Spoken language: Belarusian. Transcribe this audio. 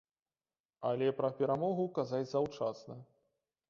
Але пра перамогу казаць заўчасна.